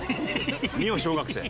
見よう小学生。